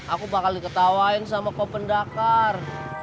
aku bakal diketawain sama kopendakar